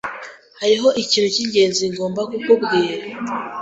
Hariho ikintu cyingenzi ngomba kukubwira.